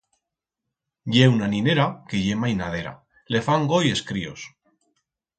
Ye una ninera que ye mainadera, le fan goi es críos.